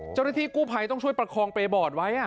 เจ้าหน้าที่กู้ภัยต้องช่วยประคองเปรบอดไว้